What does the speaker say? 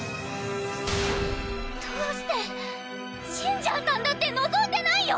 どうしてジンジャーさんだってのぞんでないよ！